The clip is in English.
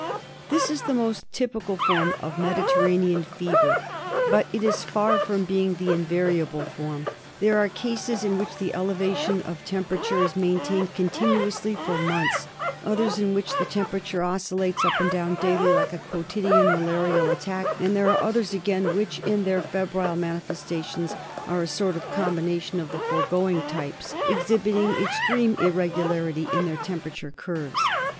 This is the most typical form of Mediterranean fever; but it is far from being the invariable form. There are cases in which the elevation of temperature is maintained continuously for months ; others in which the temperature oscillates up and down daily like a quotidian malarial attack ; and there are others again which, in their febrile manifestations, are a sort of combination of the foregoing types, exhibiting extreme irregularity in their temperature curves.